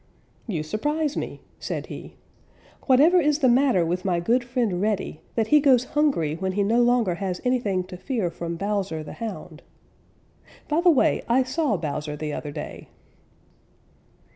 "You surprise me," said he. "Whatever is the matter with my good friend Reddy, that he goes hungry when he no longer has anything to fear from Bowser the Hound. By the way, I saw Bowser the other day."